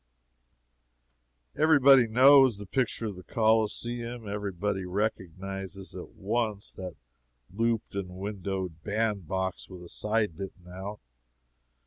Every body knows the picture of the Coliseum; every body recognizes at once that "looped and windowed" band box with a side bitten out.